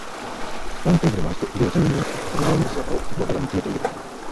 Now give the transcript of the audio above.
ターンテーブル回して腕を左右に大きく振って盛りあげる姿を客はただ見つめている